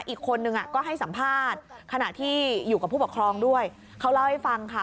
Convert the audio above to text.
อีกคนนึงก็ให้สัมภาษณ์ขณะที่อยู่กับผู้ปกครองด้วยเขาเล่าให้ฟังค่ะ